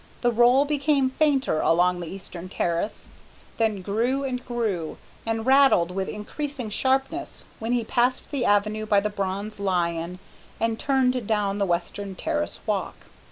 The roll became fainter along the eastern terrace, then grew and grew and rattled with increasing sharpness when he passed the avenue by the bronze lion and turned down the western terrace walk.